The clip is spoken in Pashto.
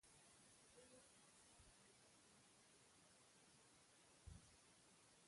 زوی یې تیمورشاه په پنجاب کې نایب الحکومه کړ.